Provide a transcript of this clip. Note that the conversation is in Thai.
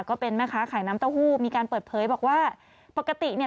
ก็เป็นแม่ค้าขายน้ำเต้าหู้มีการเปิดเผยบอกว่าปกติเนี่ย